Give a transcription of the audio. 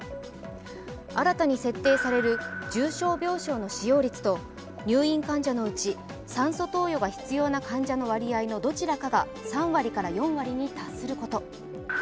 新たに設定される重症病床の使用率と入院患者のうち、酸素投与が必要な患者の割合のどちらかが３割から４割に達すること。